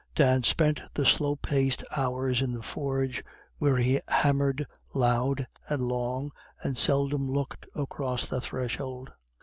Dan spent the slow paced hours in the forge, where he hammered loud and long, and seldom looked across the threshold.